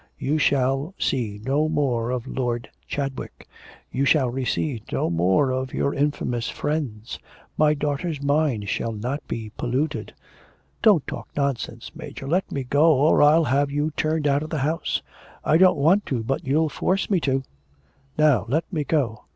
You shall see no more of Lord Chadwick. You shall receive no more of your infamous friends. My daughter's mind shall not be polluted.' 'Don't talk nonsense, Major. Let me go, or I shall have you turned out of the house. I don't want to, but you'll force me to.... Now let me go.'